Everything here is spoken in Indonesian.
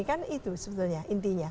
dan itu sebetulnya intinya